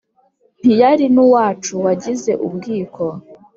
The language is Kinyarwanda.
Ntiyari n'uwacu wagize ubwiko